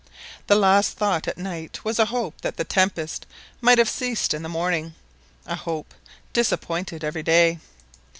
The last thought at night was a hope that the tempest might have ceased in the morning, a hope disappointed every day.